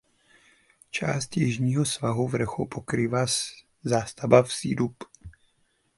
Část jižního svahu vrchu pokrývá zástavba vsi Dub.